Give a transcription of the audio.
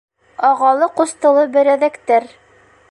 Ағалы-ҡустылы берәҙәктәр.